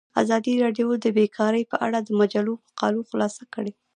ازادي راډیو د بیکاري په اړه د مجلو مقالو خلاصه کړې.